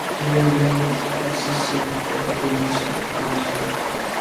Elle est également accessible par autobus à partir de Sparte.